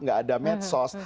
gak ada medsos